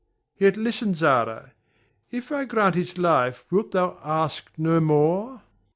Yet, listen, Zara! If I grant his life wilt thou ask no more?